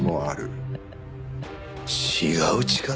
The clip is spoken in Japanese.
違う力？